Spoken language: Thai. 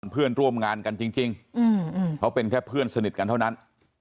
เพื่อนร่วมงานกันจริงเขาเป็นแค่เพื่อนสนิทกันเท่านั้น